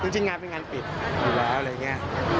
จริงงานเป็นงานปิดอยู่แล้วอะไรอย่างนี้